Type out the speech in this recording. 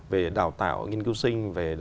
về đào tạo nghiên cứu sinh